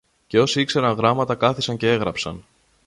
Και όσοι ήξεραν γράμματα κάθισαν κι έγραψαν.